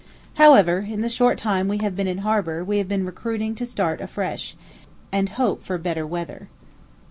However, in the short time we have been in harbour we have been recruiting to start afresh, and hope for better weather.